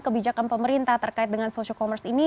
kebijakan pemerintah terkait dengan social commerce ini